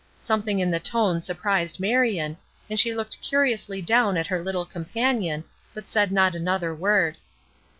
Something in the tone surprised Marion, and she looked curiously down at her little companion, but said not another word.